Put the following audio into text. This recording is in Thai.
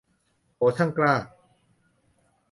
โห ช่างกล้า